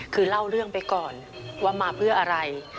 คือเล่าเรื่องไปก่อนว่ามาเพื่ออะไร